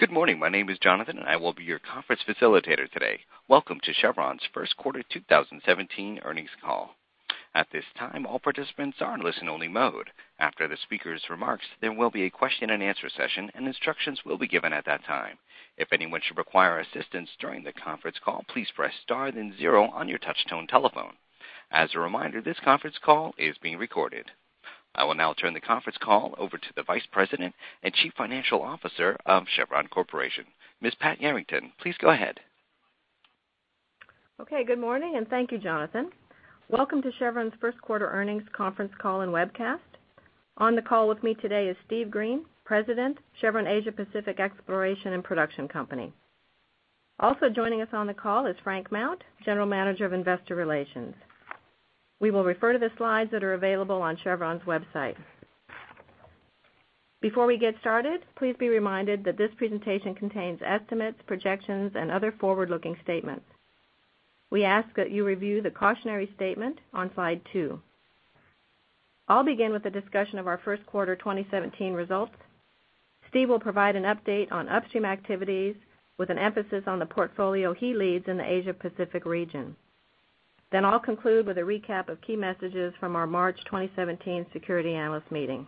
Good morning. My name is Jonathan, I will be your conference facilitator today. Welcome to Chevron's first quarter 2017 earnings call. At this time, all participants are in listen only mode. After the speaker's remarks, there will be a question and answer session, instructions will be given at that time. If anyone should require assistance during the conference call, please press star then zero on your touchtone telephone. As a reminder, this conference call is being recorded. I will now turn the conference call over to the Vice President and Chief Financial Officer of Chevron Corporation. Ms. Pat Yarrington, please go ahead. Okay, good morning, thank you, Jonathan. Welcome to Chevron's first quarter earnings conference call and webcast. On the call with me today is Steve Green, President, Chevron Asia Pacific Exploration and Production Company. Also joining us on the call is Frank Mount, General Manager of Investor Relations. We will refer to the slides that are available on Chevron's website. Before we get started, please be reminded that this presentation contains estimates, projections, other forward-looking statements. We ask that you review the cautionary statement on slide two. I'll begin with a discussion of our first quarter 2017 results. Steve will provide an update on upstream activities with an emphasis on the portfolio he leads in the Asia Pacific region. I'll conclude with a recap of key messages from our March 2017 security analyst meeting.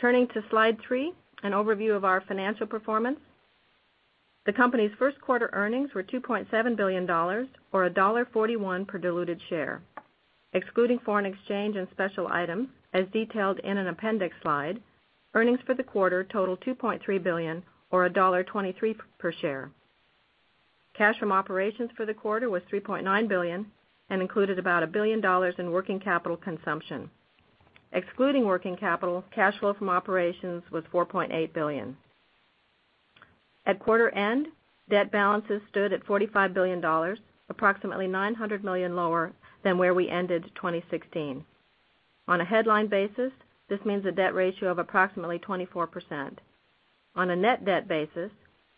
Turning to slide three, an overview of our financial performance. The company's first quarter earnings were $2.7 billion, or $1.41 per diluted share. Excluding foreign exchange, special items, as detailed in an appendix slide, earnings for the quarter total $2.3 billion or $1.23 per share. Cash from operations for the quarter was $3.9 billion, included about $1 billion in working capital consumption. Excluding working capital, cash flow from operations was $4.8 billion. At quarter end, debt balances stood at $45 billion, approximately $900 million lower than where we ended 2016. On a headline basis, this means a debt ratio of approximately 24%. On a net debt basis,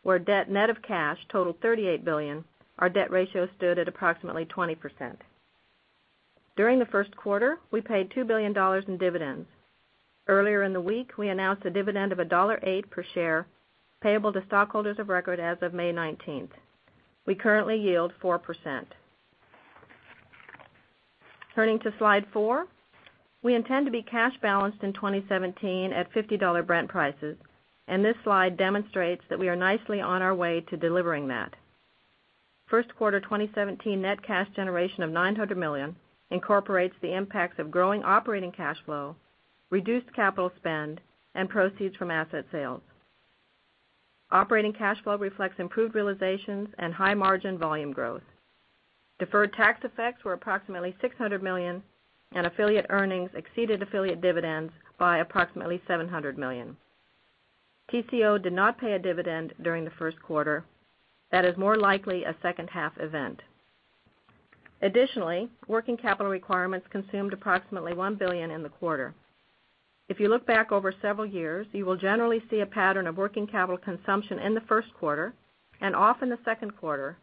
where debt net of cash totaled $38 billion, our debt ratio stood at approximately 20%. During the first quarter, we paid $2 billion in dividends. Earlier in the week, we announced a dividend of $1.08 per share payable to stockholders of record as of May 19th. We currently yield 4%. Turning to slide four. We intend to be cash balanced in 2017 at $50 Brent prices, this slide demonstrates that we are nicely on our way to delivering that. First quarter 2017 net cash generation of $900 million incorporates the impacts of growing operating cash flow, reduced capital spend, proceeds from asset sales. Operating cash flow reflects improved realizations, high margin volume growth. Deferred tax effects were approximately $600 million, affiliate earnings exceeded affiliate dividends by approximately $700 million. TCO did not pay a dividend during the first quarter. That is more likely a second half event. Additionally, working capital requirements consumed approximately $1 billion in the quarter. If you look back over several years, you will generally see a pattern of working capital consumption in the first quarter and often the second quarter,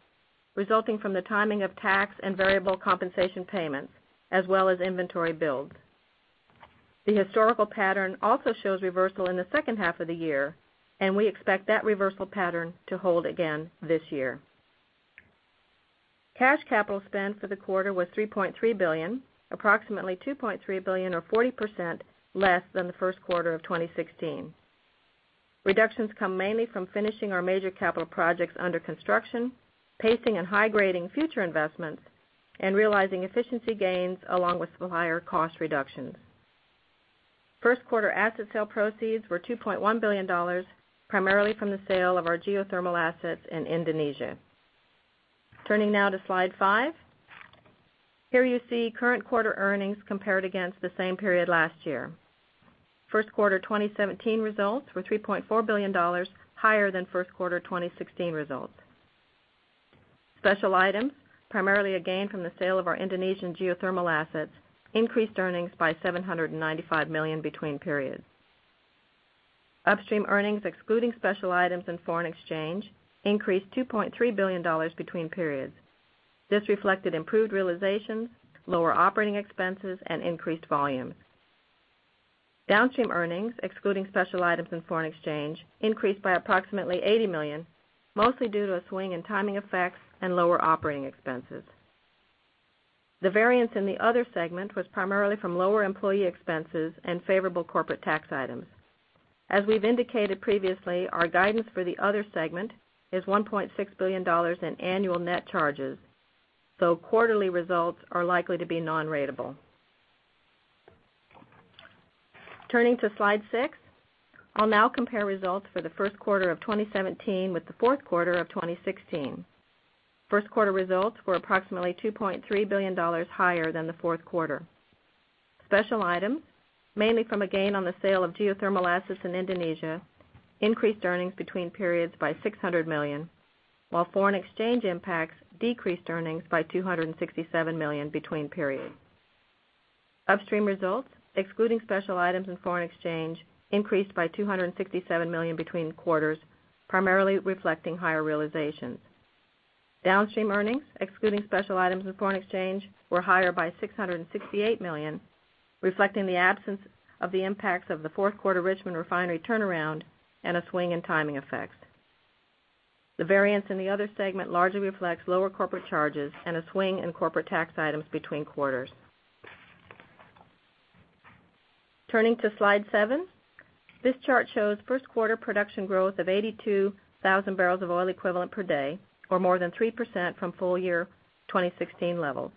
resulting from the timing of tax and variable compensation payments, as well as inventory build. The historical pattern also shows reversal in the second half of the year, and we expect that reversal pattern to hold again this year. Cash capital spend for the quarter was $3.3 billion, approximately $2.3 billion or 40% less than the first quarter of 2016. Reductions come mainly from finishing our major capital projects under construction, pacing and high-grading future investments, and realizing efficiency gains along with supplier cost reductions. First quarter asset sale proceeds were $2.1 billion, primarily from the sale of our geothermal assets in Indonesia. Turning now to slide five. Here you see current quarter earnings compared against the same period last year. First quarter 2017 results were $3.4 billion higher than first quarter 2016 results. Special items, primarily a gain from the sale of our Indonesian geothermal assets, increased earnings by $795 million between periods. Upstream earnings, excluding special items and foreign exchange, increased $2.3 billion between periods. This reflected improved realizations, lower OpEx, and increased volume. Downstream earnings, excluding special items and foreign exchange, increased by approximately $80 million, mostly due to a swing in timing effects and lower OpEx. The variance in the other segment was primarily from lower employee expenses and favorable corporate tax items. As we've indicated previously, our guidance for the other segment is $1.6 billion in annual net charges, so quarterly results are likely to be non-ratable. Turning to slide six. I'll now compare results for the first quarter of 2017 with the fourth quarter of 2016. First quarter results were approximately $2.3 billion higher than the fourth quarter. Special items, mainly from a gain on the sale of geothermal assets in Indonesia, increased earnings between periods by $600 million, while foreign exchange impacts decreased earnings by $267 million between periods. Upstream results, excluding special items and foreign exchange, increased by $267 million between quarters, primarily reflecting higher realizations. Downstream earnings, excluding special items and foreign exchange, were higher by $668 million, reflecting the absence of the impacts of the fourth quarter Richmond Refinery turnaround and a swing in timing effects. The variance in the other segment largely reflects lower corporate charges and a swing in corporate tax items between quarters. Turning to slide seven. This chart shows first quarter production growth of 82,000 barrels of oil equivalent per day, or more than 3% from full year 2016 levels.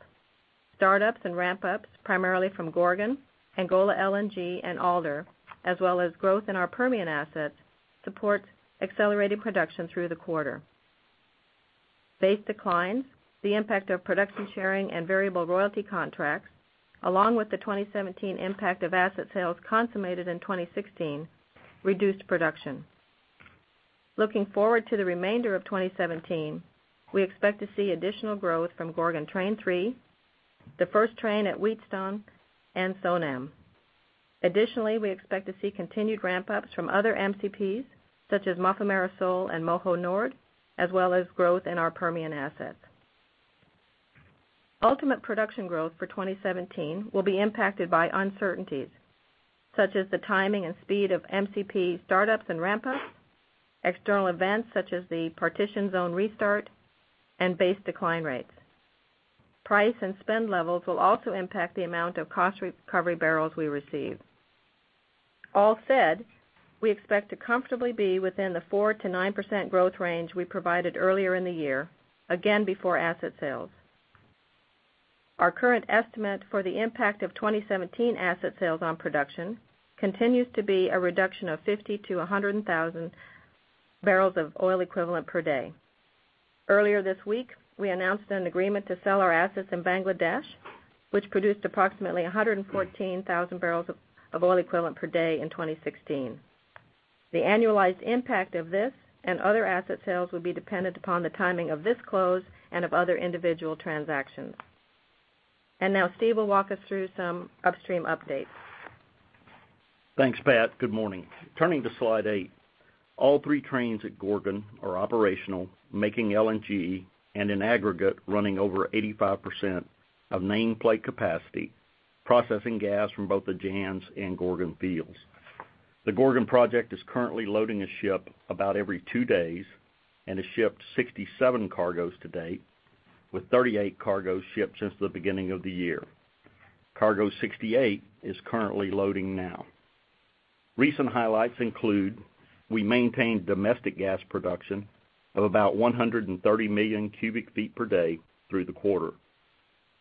Startups and ramp-ups, primarily from Gorgon, Angola LNG, and Alder, as well as growth in our Permian assets, support accelerated production through the quarter. Base declines, the impact of production sharing and variable royalty contracts, along with the 2017 impact of asset sales consummated in 2016 reduced production. Looking forward to the remainder of 2017, we expect to see additional growth from Gorgon Train 3, the first train at Wheatstone, and Sonam. Additionally, we expect to see continued ramp-ups from other MCPs such as Mafumeira Sul and Moho Nord, as well as growth in our Permian assets. Ultimate production growth for 2017 will be impacted by uncertainties such as the timing and speed of MCP startups and ramp-ups, external events such as the Partitioned Zone restart, and base decline rates. Price and spend levels will also impact the amount of cost recovery barrels we receive. All said, we expect to comfortably be within the 4%-9% growth range we provided earlier in the year, again before asset sales. Our current estimate for the impact of 2017 asset sales on production continues to be a reduction of 50,000-100,000 barrels of oil equivalent per day. Earlier this week, we announced an agreement to sell our assets in Bangladesh, which produced approximately 114,000 barrels of oil equivalent per day in 2016. The annualized impact of this and other asset sales will be dependent upon the timing of this close and of other individual transactions. Now Steve will walk us through some upstream updates. Thanks, Pat. Good morning. Turning to slide eight. All three trains at Gorgon are operational, making LNG and in aggregate running over 85% of nameplate capacity, processing gas from both the Jansz and Gorgon fields. The Gorgon project is currently loading a ship about every 2 days and has shipped 67 cargoes to date, with 38 cargoes shipped since the beginning of the year. Cargo 68 is currently loading now. Recent highlights include we maintained domestic gas production of about 130 million cubic feet per day through the quarter.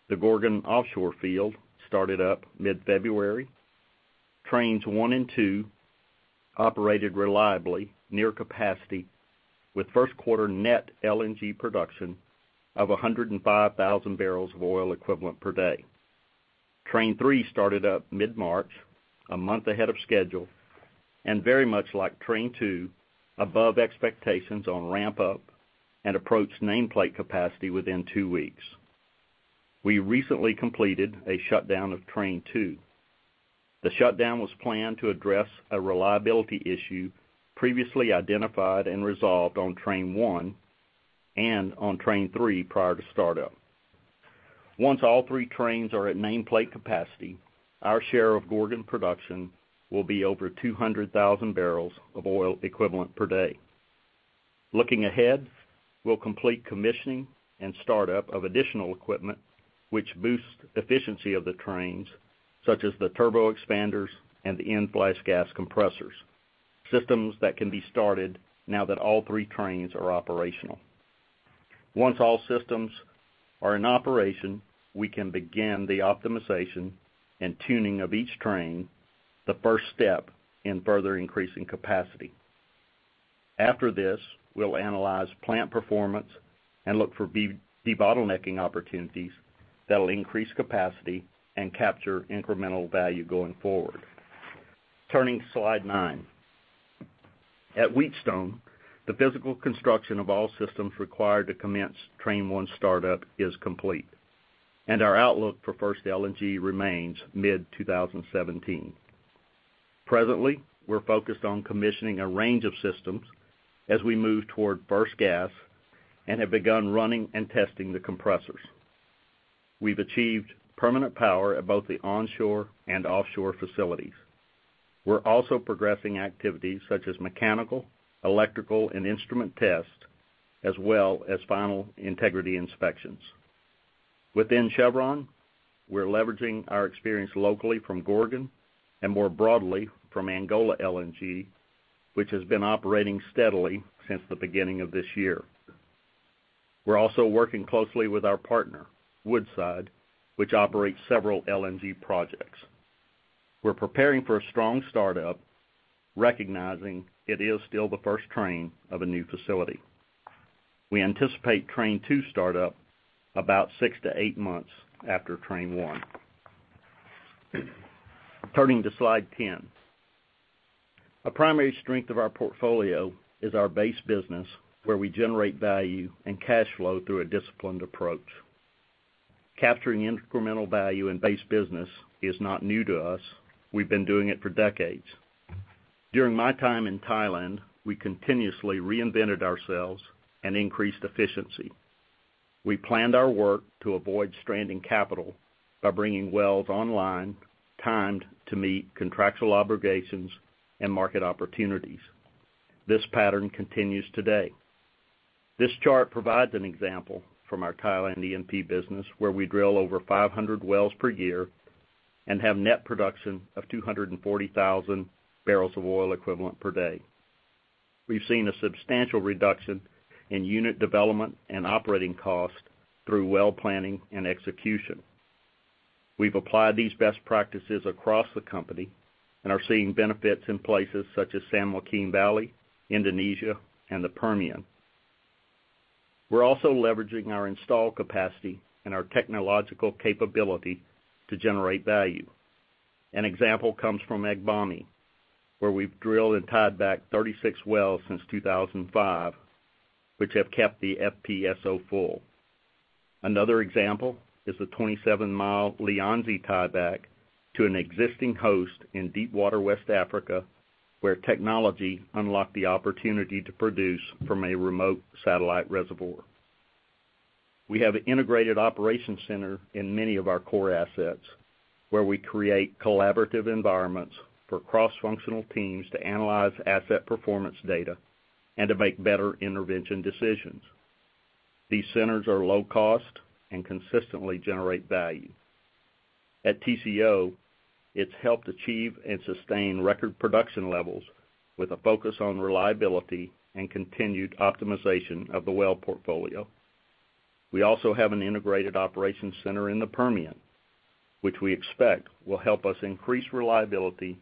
The Gorgon offshore field started up mid-February. Trains 1 and 2 operated reliably near capacity with first quarter net LNG production of 105,000 barrels of oil equivalent per day. Train 3 started up mid-March, a month ahead of schedule, and very much like train 2, above expectations on ramp-up and approached nameplate capacity within 2 weeks. We recently completed a shutdown of train 2. The shutdown was planned to address a reliability issue previously identified and resolved on train 1 and on train 3 prior to startup. Once all 3 trains are at nameplate capacity, our share of Gorgon production will be over 200,000 barrels of oil equivalent per day. Looking ahead, we'll complete commissioning and startup of additional equipment which boost efficiency of the trains, such as the turboexpanders and the end flash gas compressors, systems that can be started now that all 3 trains are operational. Once all systems are in operation, we can begin the optimization and tuning of each train, the first step in further increasing capacity. After this, we'll analyze plant performance and look for debottlenecking opportunities that'll increase capacity and capture incremental value going forward. Turning to slide nine. At Wheatstone, the physical construction of all systems required to commence train 1 startup is complete, and our outlook for first LNG remains mid-2017. Presently, we're focused on commissioning a range of systems as we move toward first gas and have begun running and testing the compressors. We've achieved permanent power at both the onshore and offshore facilities. We're also progressing activities such as mechanical, electrical, and instrument tests, as well as final integrity inspections. Within Chevron, we're leveraging our experience locally from Gorgon and more broadly from Angola LNG, which has been operating steadily since the beginning of this year. We're also working closely with our partner, Woodside, which operates several LNG projects. We're preparing for a strong startup, recognizing it is still the first train of a new facility. We anticipate train 2 startup about 6 to 8 months after train 1. Turning to slide 10. A primary strength of our portfolio is our base business, where we generate value and cash flow through a disciplined approach. Capturing incremental value in base business is not new to us. We've been doing it for decades. During my time in Thailand, we continuously reinvented ourselves and increased efficiency. We planned our work to avoid stranding capital by bringing wells online, timed to meet contractual obligations and market opportunities. This pattern continues today. This chart provides an example from our Thailand E&P business, where we drill over 500 wells per year and have net production of 240,000 barrels of oil equivalent per day. We've seen a substantial reduction in unit development and operating costs through well planning and execution. We've applied these best practices across the company and are seeing benefits in places such as San Joaquin Valley, Indonesia, and the Permian. We're also leveraging our install capacity and our technological capability to generate value. An example comes from Agbami, where we've drilled and tied back 36 wells since 2005, which have kept the FPSO full. Another example is the 27-mile Lianzi tieback to an existing host in Deepwater West Africa, where technology unlocked the opportunity to produce from a remote satellite reservoir. We have an integrated operation center in many of our core assets, where we create collaborative environments for cross-functional teams to analyze asset performance data and to make better intervention decisions. These centers are low cost and consistently generate value. At TCO, it's helped achieve and sustain record production levels with a focus on reliability and continued optimization of the well portfolio. We also have an integrated operations center in the Permian, which we expect will help us increase reliability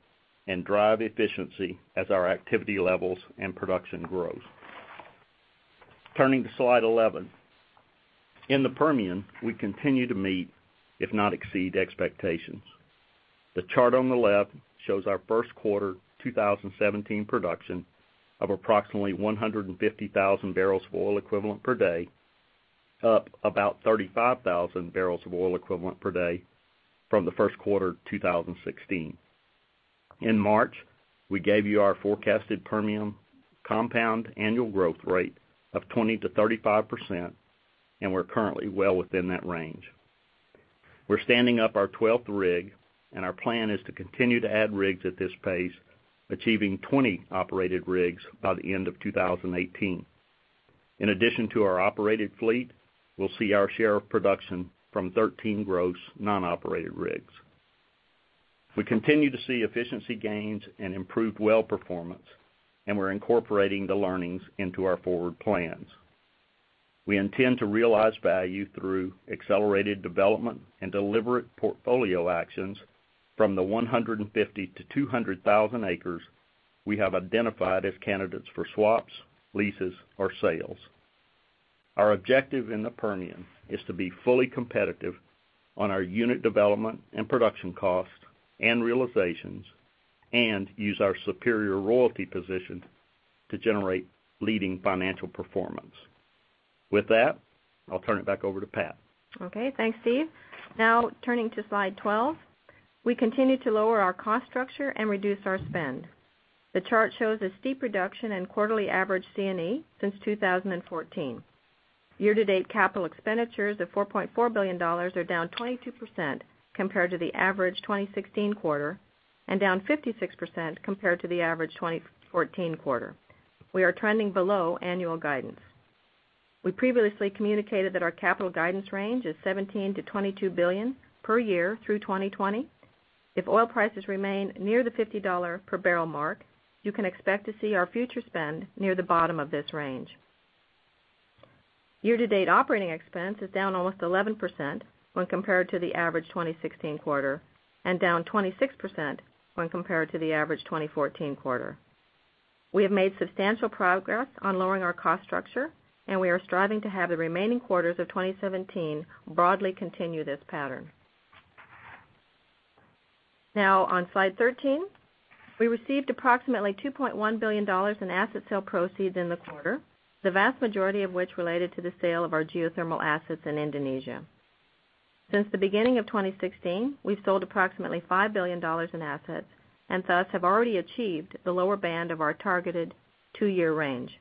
and drive efficiency as our activity levels and production grows. Turning to slide 11. In the Permian, we continue to meet, if not exceed, expectations. The chart on the left shows our first quarter 2017 production of approximately 150,000 barrels of oil equivalent per day, up about 35,000 barrels of oil equivalent per day from the first quarter 2016. In March, we gave you our forecasted Permian compound annual growth rate of 20%-35%, and we're currently well within that range. We're standing up our 12th rig, and our plan is to continue to add rigs at this pace, achieving 20 operated rigs by the end of 2018. In addition to our operated fleet, we'll see our share of production from 13 gross non-operated rigs. We continue to see efficiency gains and improved well performance. We're incorporating the learnings into our forward plans. We intend to realize value through accelerated development and deliberate portfolio actions from the 150,000-200,000 acres we have identified as candidates for swaps, leases, or sales. Our objective in the Permian is to be fully competitive on our unit development and production costs and realizations and use our superior royalty position to generate leading financial performance. With that, I'll turn it back over to Pat. Okay. Thanks, Steve. Now turning to slide 12. We continue to lower our cost structure and reduce our spend. The chart shows a steep reduction in quarterly average C&E since 2014. Year-to-date capital expenditures of $4.4 billion are down 22% compared to the average 2016 quarter and down 56% compared to the average 2014 quarter. We are trending below annual guidance. We previously communicated that our capital guidance range is $17 billion-$22 billion per year through 2020. If oil prices remain near the $50 per barrel mark, you can expect to see our future spend near the bottom of this range. Year-to-date operating expense is down almost 11% when compared to the average 2016 quarter and down 26% when compared to the average 2014 quarter. We have made substantial progress on lowering our cost structure, we are striving to have the remaining quarters of 2017 broadly continue this pattern. Now on slide 13. We received approximately $2.1 billion in asset sale proceeds in the quarter, the vast majority of which related to the sale of our geothermal assets in Indonesia. Since the beginning of 2016, we've sold approximately $5 billion in assets and thus have already achieved the lower band of our targeted two-year range.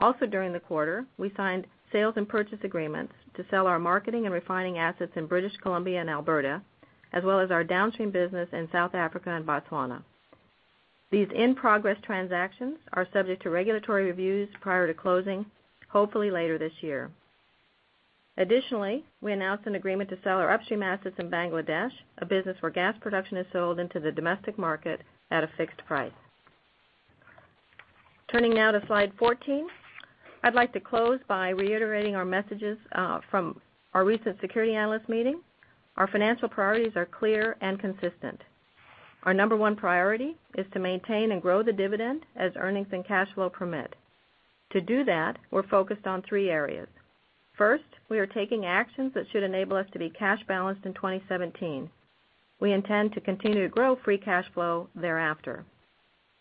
Also during the quarter, we signed sales and purchase agreements to sell our marketing and refining assets in British Columbia and Alberta, as well as our downstream business in South Africa and Botswana. These in-progress transactions are subject to regulatory reviews prior to closing, hopefully later this year. Additionally, we announced an agreement to sell our upstream assets in Bangladesh, a business where gas production is sold into the domestic market at a fixed price. Turning now to slide 14. I'd like to close by reiterating our messages from our recent security analyst meeting. Our financial priorities are clear and consistent. Our number one priority is to maintain and grow the dividend as earnings and cash flow permit. To do that, we're focused on three areas. First, we are taking actions that should enable us to be cash balanced in 2017. We intend to continue to grow free cash flow thereafter.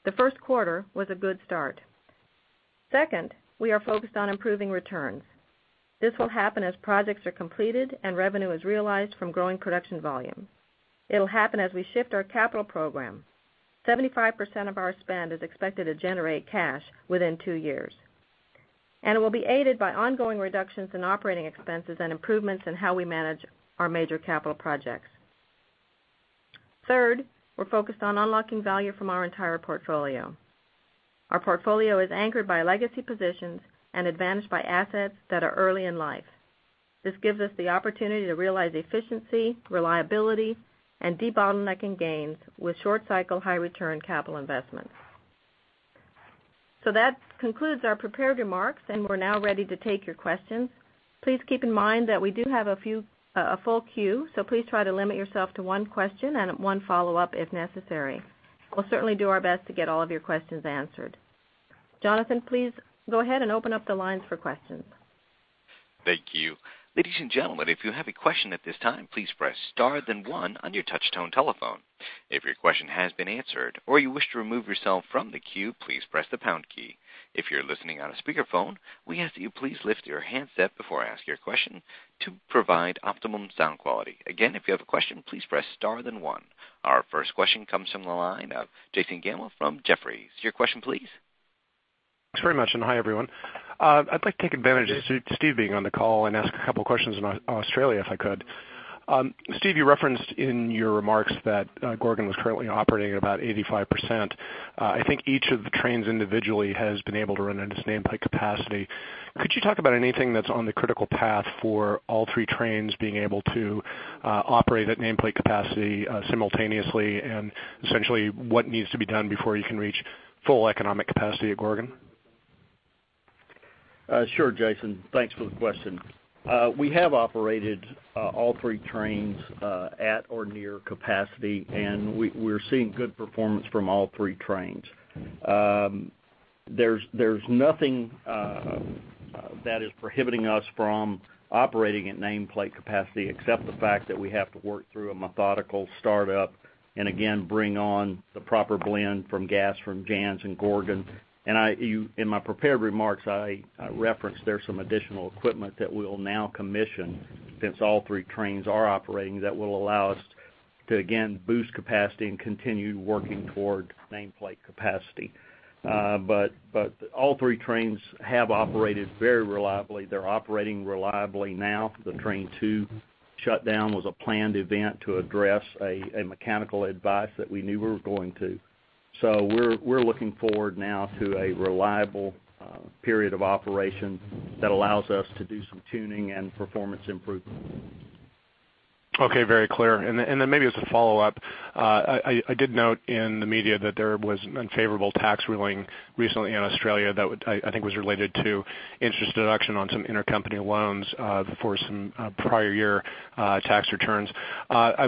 The first quarter was a good start. Second, we are focused on improving returns. This will happen as projects are completed and revenue is realized from growing production volume. It'll happen as we shift our capital program. 75% of our spend is expected to generate cash within two years, it will be aided by ongoing reductions in operating expenses and improvements in how we manage our major capital projects. Third, we're focused on unlocking value from our entire portfolio. Our portfolio is anchored by legacy positions and advantaged by assets that are early in life. This gives us the opportunity to realize efficiency, reliability, and debottlenecking gains with short cycle, high return capital investments. That concludes our prepared remarks, we're now ready to take your questions. Please keep in mind that we do have a full queue, please try to limit yourself to one question and one follow-up if necessary. We'll certainly do our best to get all of your questions answered. Jonathan, please go ahead and open up the lines for questions. Thank you. Ladies and gentlemen, if you have a question at this time, please press star then one on your touch tone telephone. If your question has been answered or you wish to remove yourself from the queue, please press the pound key. If you're listening on a speakerphone, we ask that you please lift your handset before asking your question to provide optimum sound quality. Again, if you have a question, please press star then one. Our first question comes from the line of Jason Gammel from Jefferies. Your question please. Thanks very much. Hi, everyone. I'd like to take advantage of Steve being on the call and ask a couple questions on Australia, if I could. Steve, you referenced in your remarks that Gorgon was currently operating at about 85%. I think each of the trains individually has been able to run at its nameplate capacity. Could you talk about anything that's on the critical path for all three trains being able to operate at nameplate capacity simultaneously? Essentially, what needs to be done before you can reach full economic capacity at Gorgon? Sure, Jason. Thanks for the question. We have operated all three trains at or near capacity. We're seeing good performance from all three trains. There's nothing that is prohibiting us from operating at nameplate capacity except the fact that we have to work through a methodical startup. Again, bring on the proper blend from gas from Jansz and Gorgon. In my prepared remarks, I referenced there's some additional equipment that we'll now commission, since all three trains are operating, that will allow us to, again, boost capacity and continue working toward nameplate capacity. All three trains have operated very reliably. They're operating reliably now. The train 2 shutdown was a planned event to address a mechanical advice that we knew we were going to. We're looking forward now to a reliable period of operation that allows us to do some tuning and performance improvements. Okay. Very clear. Then maybe as a follow-up, I did note in the media that there was an unfavorable tax ruling recently in Australia that I think was related to interest deduction on some intercompany loans for some prior year tax returns. I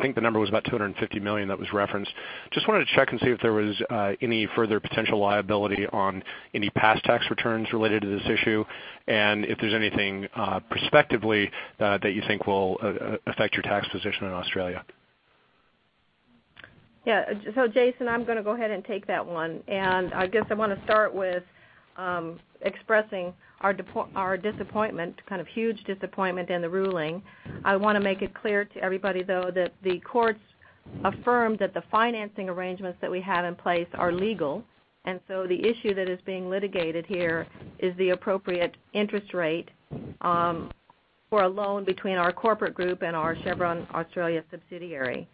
think the number was about $250 million that was referenced. Just wanted to check and see if there was any further potential liability on any past tax returns related to this issue, if there's anything prospectively that you think will affect your tax position in Australia. Yeah. Jason, I'm going to go ahead and take that one. I guess I want to start with expressing our disappointment, kind of huge disappointment in the ruling. I want to make it clear to everybody, though, that the courts affirmed that the financing arrangements that we have in place are legal, the issue that is being litigated here is the appropriate interest rate for a loan between our corporate group and our Chevron Australia subsidiary.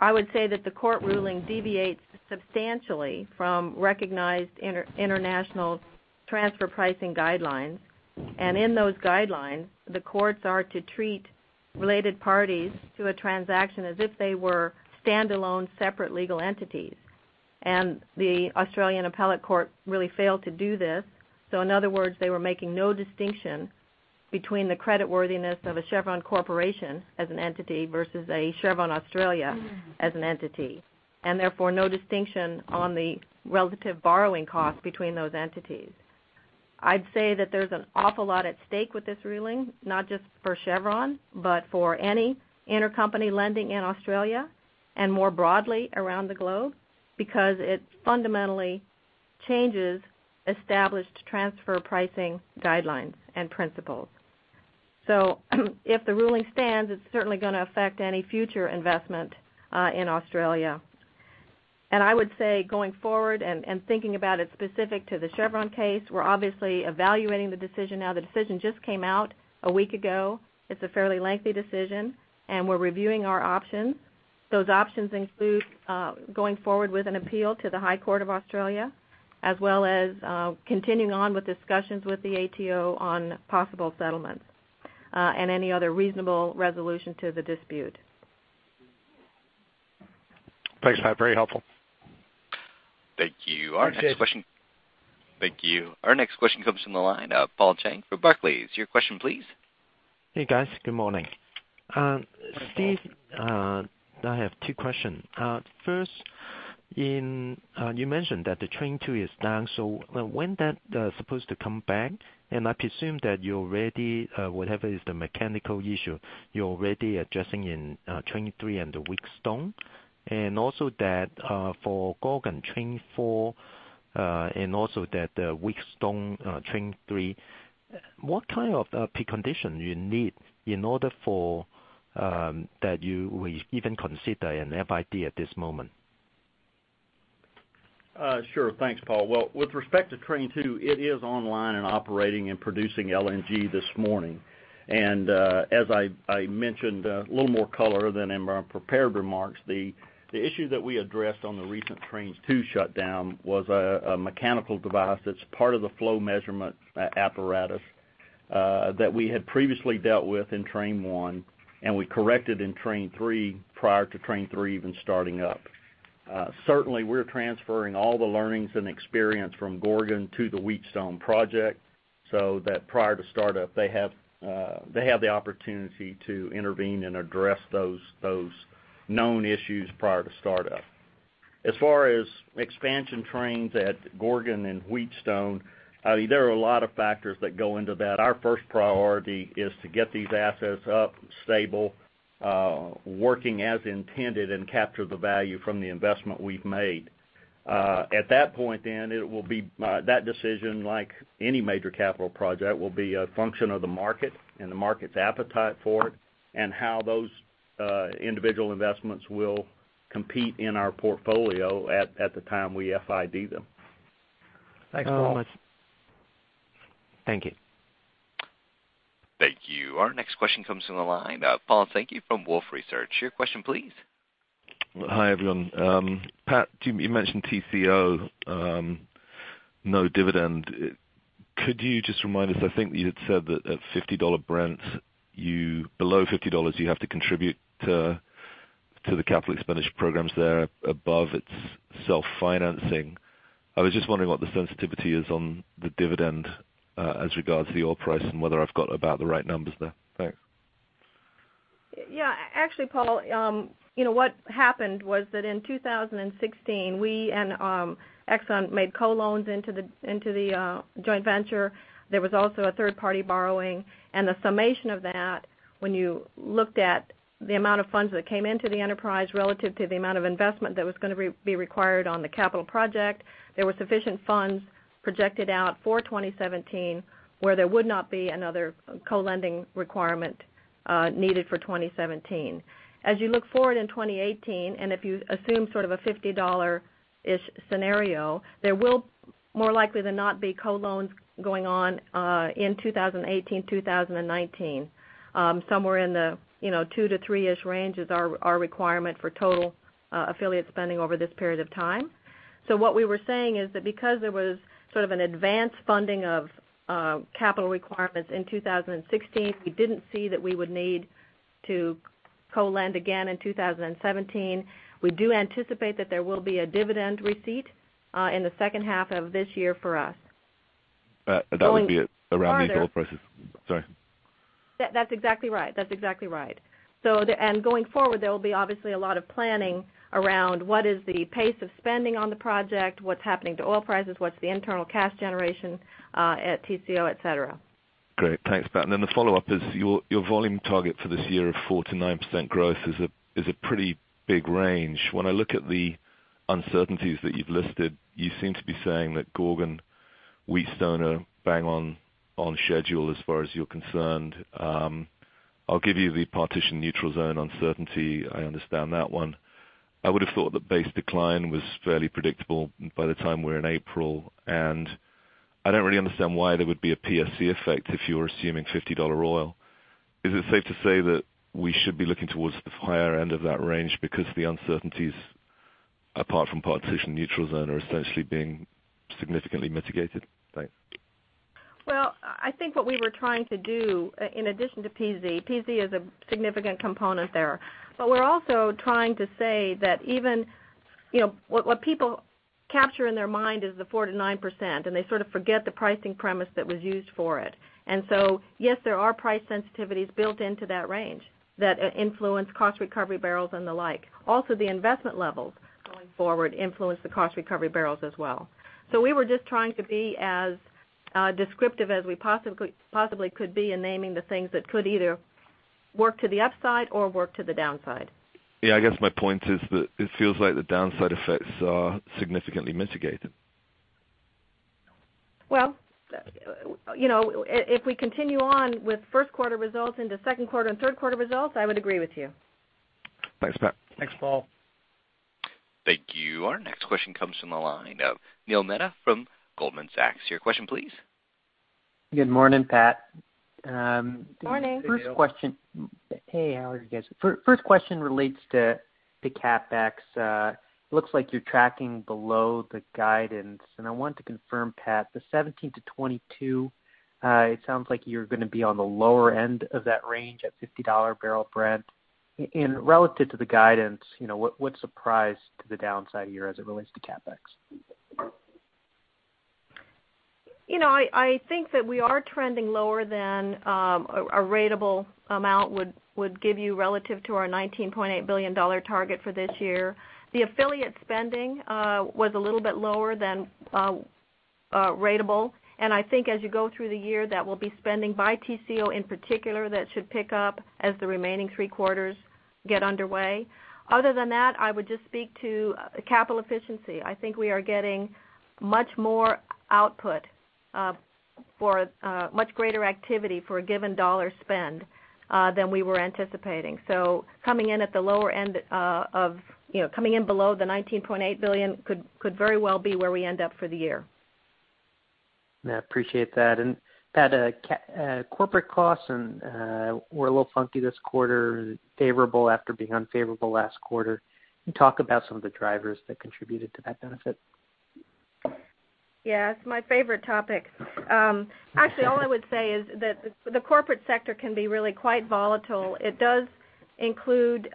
I would say that the court ruling deviates substantially from recognized international transfer pricing guidelines, in those guidelines, the courts are to treat related parties to a transaction as if they were standalone, separate legal entities. The Australian appellate court really failed to do this. In other words, they were making no distinction between the credit worthiness of a Chevron Corporation as an entity versus a Chevron Australia as an entity, therefore, no distinction on the relative borrowing cost between those entities. I'd say that there's an awful lot at stake with this ruling, not just for Chevron, but for any intercompany lending in Australia and more broadly around the globe, because it fundamentally changes established transfer pricing guidelines and principles. If the ruling stands, it's certainly going to affect any future investment in Australia. I would say going forward and thinking about it specific to the Chevron case, we're obviously evaluating the decision now. The decision just came out a week ago. It's a fairly lengthy decision, we're reviewing our options. Those options include going forward with an appeal to the High Court of Australia, as well as continuing on with discussions with the ATO on possible settlements, any other reasonable resolution to the dispute. Thanks. That was very helpful. Thank you. Thanks, Jason. Thank you. Our next question comes from the line of Paul Cheng from Barclays. Your question please. Hey, guys. Good morning. Good morning, Paul. Steve, I have two questions. First, you mentioned that the Train 2 is down, when is that supposed to come back? I presume that you're ready, whatever is the mechanical issue, you're already addressing in Train 3 under Wheatstone. Also that for Gorgon Train 4 and also that the Wheatstone Train 3. What kind of precondition you need in order for that you will even consider an FID at this moment? Sure. Thanks, Paul. Well, with respect to Train 2, it is online and operating and producing LNG this morning. As I mentioned, a little more color than in my prepared remarks, the issue that we addressed on the recent Train 2 shutdown was a mechanical device that's part of the flow measurement apparatus, that we had previously dealt with in Train 1, and we corrected in Train 3, prior to Train 3 even starting up. Certainly, we're transferring all the learnings and experience from Gorgon to the Wheatstone project, so that prior to startup, they have the opportunity to intervene and address those known issues prior to startup. As far as expansion trains at Gorgon and Wheatstone, there are a lot of factors that go into that. Our first priority is to get these assets up, stable, working as intended and capture the value from the investment we've made. At that point then, that decision, like any major capital project, will be a function of the market and the market's appetite for it, and how those individual investments will compete in our portfolio at the time we FID them. Thanks so much. Thank you. Thank you. Our next question comes from the line of Paul Sankey from Wolfe Research. Your question, please. Hi, everyone. Pat, you mentioned Tengizchevroil, no dividend. Could you just remind us, I think that you had said that at $50 Brent, below $50, you have to contribute to the capital expenditure programs there above its self-financing. I was just wondering what the sensitivity is on the dividend, as regards to the oil price, and whether I've got about the right numbers there. Thanks. Yeah. Actually, Paul, what happened was that in 2016, we and Exxon made co-loans into the joint venture. There was also a third-party borrowing. The summation of that when you looked at the amount of funds that came into the enterprise relative to the amount of investment that was going to be required on the capital project, there were sufficient funds projected out for 2017, where there would not be another co-lending requirement needed for 2017. As you look forward in 2018, and if you assume sort of a $50-ish scenario, there will more likely than not be co-loans going on, in 2018, 2019. Somewhere in the two to three-ish range is our requirement for total affiliate spending over this period of time. What we were saying is that because there was sort of an advanced funding of capital requirements in 2016, we didn't see that we would need to co-lend again in 2017. We do anticipate that there will be a dividend receipt, in the second half of this year for us. That would be around the oil prices. Sorry. That's exactly right. Going forward, there will be obviously a lot of planning around what is the pace of spending on the project, what's happening to oil prices, what's the internal cash generation, at Tengizchevroil, et cetera. Great. Thanks, Pat. The follow-up is, your volume target for this year of 4%-9% growth is a pretty big range. When I look at the uncertainties that you've listed, you seem to be saying that Gorgon, Wheatstone are bang on schedule as far as you're concerned. I'll give you the Partitioned Neutral Zone uncertainty. I understand that one. I would've thought that base decline was fairly predictable by the time we're in April, and I don't really understand why there would be a PSC effect if you were assuming $50 oil. Is it safe to say that we should be looking towards the higher end of that range because the uncertainties, apart from Partitioned Neutral Zone, are essentially being significantly mitigated? Thanks. Well, I think what we were trying to do, in addition to PZ is a significant component there. We're also trying to say that even what people capture in their mind is the 4%-9%, and they sort of forget the pricing premise that was used for it. Yes, there are price sensitivities built into that range that influence cost recovery barrels and the like. Also, the investment levels going forward influence the cost recovery barrels as well. We were just trying to be as descriptive as we possibly could be in naming the things that could either work to the upside or work to the downside. Yeah, I guess my point is that it feels like the downside effects are significantly mitigated. Well, if we continue on with first quarter results into second quarter and third quarter results, I would agree with you. Thanks, Pat. Thanks, Paul. Thank you. Our next question comes from the line of Neil Mehta from Goldman Sachs. Your question please. Good morning, Pat. Morning. Hey, Neil. Hey, how are you guys? First question relates to the CapEx. Looks like you're tracking below the guidance. I want to confirm, Pat, the $17 billion-$22 billion, it sounds like you're gonna be on the lower end of that range at $50 barrel Brent. Relative to the guidance, what's the price to the downside here as it relates to CapEx? I think that we are trending lower than a ratable amount would give you relative to our $19.8 billion target for this year. The affiliate spending was a little bit lower than ratable. I think as you go through the year, that will be spending by Tengizchevroil in particular, that should pick up as the remaining three quarters get underway. Other than that, I would just speak to capital efficiency. I think we are getting much more output for much greater activity for a given dollar spend than we were anticipating. Coming in below the $19.8 billion could very well be where we end up for the year. Yeah, appreciate that. Pat, corporate costs were a little funky this quarter, favorable after being unfavorable last quarter. Can you talk about some of the drivers that contributed to that benefit? Yes, my favorite topic. Actually, all I would say is that the corporate sector can be really quite volatile. It does include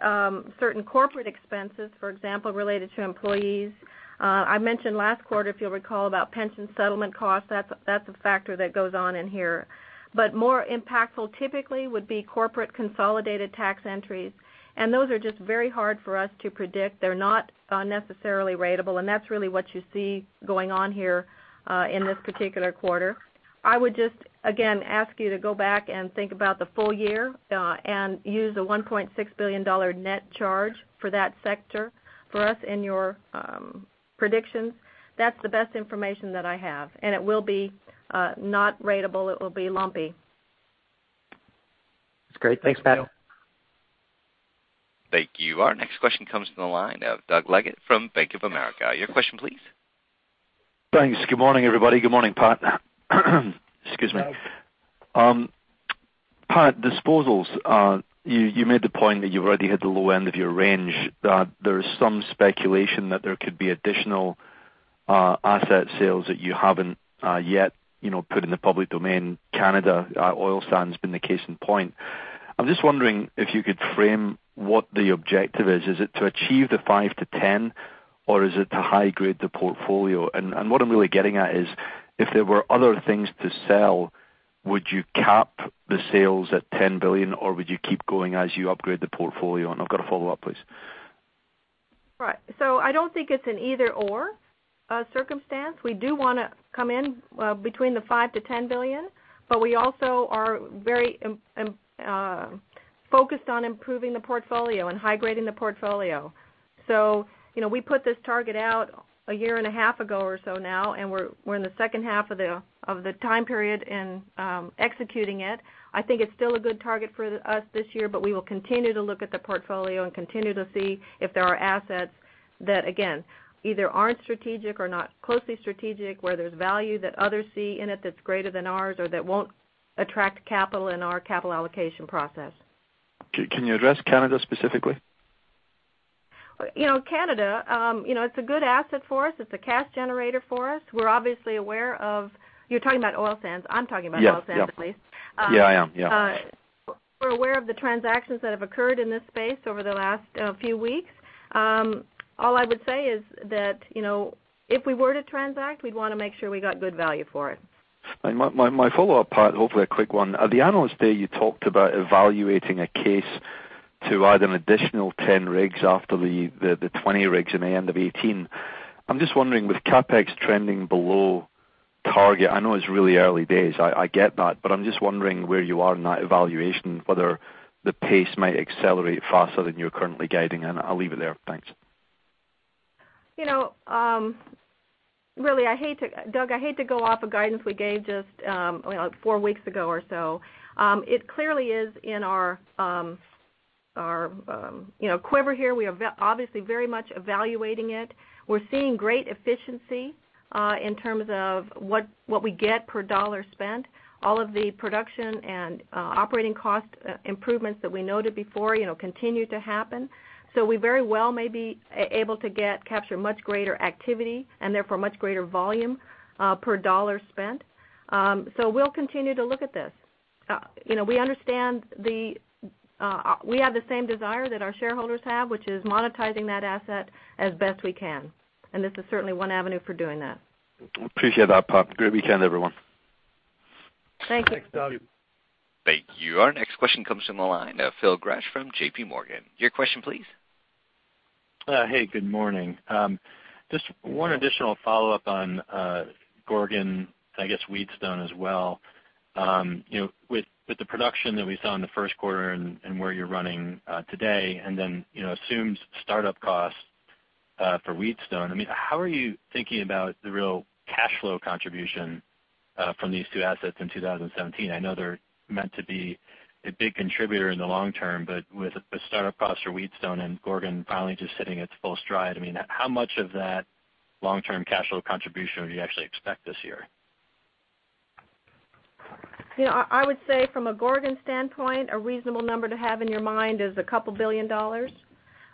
certain corporate expenses, for example, related to employees. I mentioned last quarter, if you'll recall, about pension settlement costs. That's a factor that goes on in here. More impactful typically would be corporate consolidated tax entries. Those are just very hard for us to predict. They're not necessarily ratable, and that's really what you see going on here in this particular quarter. I would just, again, ask you to go back and think about the full year and use a $1.6 billion net charge for that sector for us in your predictions. That's the best information that I have, and it will be not ratable. It will be lumpy. That's great. Thanks, Pat. Thank you. Our next question comes from the line of Douglas Leggate from Bank of America. Your question please. Thanks. Good morning, everybody. Good morning, Pat. Excuse me. Pat, disposals. You made the point that you've already hit the low end of your range. There is some speculation that there could be additional asset sales that you haven't yet put in the public domain. Canada oil sands has been the case in point. I'm just wondering if you could frame what the objective is. Is it to achieve the $5 billion-$10 billion, or is it to high-grade the portfolio? What I'm really getting at is, if there were other things to sell, would you cap the sales at $10 billion, or would you keep going as you upgrade the portfolio? I've got a follow-up, please. Right. I don't think it's an either/or circumstance. We do want to come in between the $5 billion-$10 billion, we also are very focused on improving the portfolio and high-grading the portfolio. We put this target out a year and a half ago or so now, and we're in the second half of the time period and executing it. I think it's still a good target for us this year, we will continue to look at the portfolio and continue to see if there are assets that, again, either aren't strategic or not closely strategic, where there's value that others see in it that's greater than ours, or that won't attract capital in our capital allocation process. Can you address Canada specifically? Canada, it's a good asset for us. It's a cash generator for us. We're obviously aware of you're talking about oil sands. I'm talking about oil sands, at least. Yeah. We're aware of the transactions that have occurred in this space over the last few weeks. All I would say is that if we were to transact, we'd want to make sure we got good value for it. My follow-up, Pat, hopefully a quick one. At the Analyst Day, you talked about evaluating a case to add an additional 10 rigs after the 20 rigs in the end of 2018. I'm just wondering, with CapEx trending below target, I know it's really early days, I get that, but I'm just wondering where you are in that evaluation, whether the pace might accelerate faster than you're currently guiding, and I'll leave it there. Thanks. Doug, I hate to go off a guidance we gave just four weeks ago or so. It clearly is in our quiver here. We are obviously very much evaluating it. We're seeing great efficiency in terms of what we get per dollar spent. All of the production and operating cost improvements that we noted before continue to happen. We very well may be able to capture much greater activity and therefore much greater volume per dollar spent. We'll continue to look at this. We have the same desire that our shareholders have, which is monetizing that asset as best we can. This is certainly one avenue for doing that. Appreciate that, Pat. Great weekend, everyone. Thank you. Thanks, Doug. Thank you. Our next question comes from the line of Phil Gresh from J.P. Morgan. Your question, please. Hey, good morning. Just one additional follow-up on Gorgon and I guess Wheatstone as well. With the production that we saw in the first quarter and where you're running today, assumed startup costs for Wheatstone, how are you thinking about the real cash flow contribution from these two assets in 2017? I know they're meant to be a big contributor in the long term, with the startup costs for Wheatstone and Gorgon finally just hitting its full stride, how much of that long-term cash flow contribution would you actually expect this year? I would say from a Gorgon standpoint, a reasonable number to have in your mind is a couple billion dollars.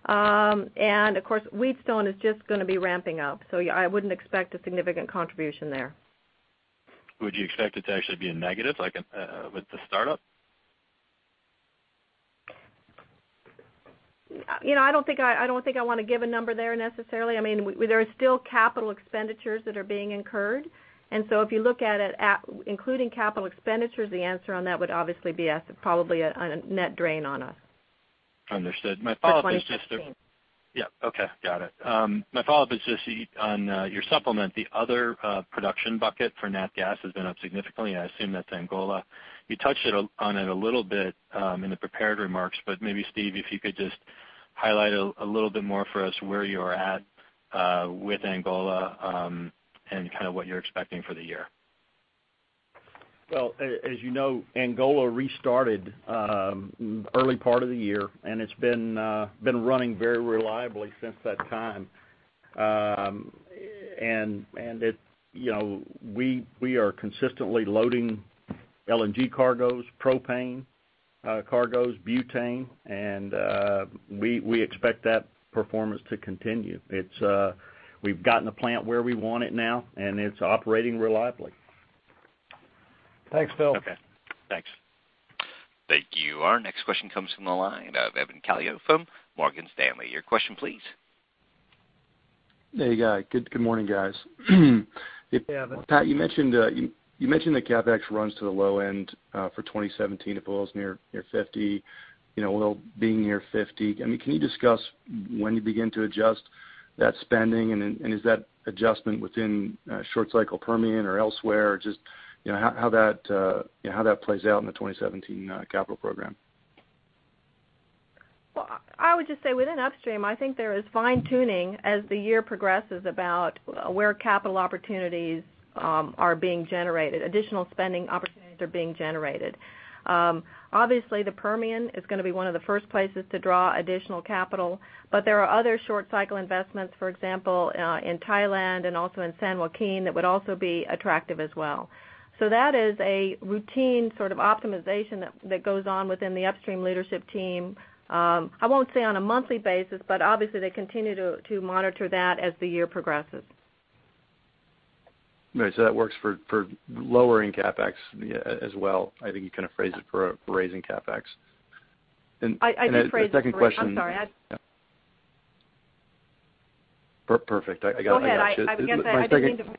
Of course, Wheatstone is just going to be ramping up, I wouldn't expect a significant contribution there. Would you expect it to actually be a negative with the startup? I don't think I want to give a number there necessarily. There are still capital expenditures that are being incurred, if you look at it including capital expenditures, the answer on that would obviously be probably a net drain on us. Understood. My follow-up is Yeah. Okay, got it. My follow-up is just on your supplement. The other production bucket for nat gas has been up significantly, I assume that's Angola. You touched on it a little bit in the prepared remarks, maybe Steve, if you could just highlight a little bit more for us where you're at with Angola, and what you're expecting for the year. Well, as you know, Angola restarted early part of the year, it's been running very reliably since that time. We are consistently loading LNG cargoes, propane cargoes, butane, we expect that performance to continue. We've gotten the plant where we want it now, it's operating reliably. Thanks, Phil. Okay. Thanks. Thank you. Our next question comes from the line of Evan Calio from Morgan Stanley. Your question, please. There you go. Good morning, guys. Hey, Evan. Pat, you mentioned that CapEx runs to the low end for 2017. It falls near $50. Being near $50, can you discuss when you begin to adjust that spending? Is that adjustment within short cycle Permian or elsewhere? Just how that plays out in the 2017 capital program? I would just say within upstream, I think there is fine-tuning as the year progresses about where capital opportunities are being generated, additional spending opportunities are being generated. Obviously, the Permian is going to be one of the first places to draw additional capital, but there are other short cycle investments, for example, in Thailand and also in San Joaquin, that would also be attractive as well. That is a routine sort of optimization that goes on within the upstream leadership team. I won't say on a monthly basis, but obviously they continue to monitor that as the year progresses. Right. That works for lowering CapEx as well. I think you kind of phrased it for raising CapEx. The second question. I did phrase it for I'm sorry. Yeah. Perfect. I got you. Go ahead.